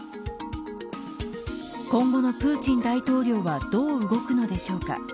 今後のプーチン大統領はどう動くのでしょうか。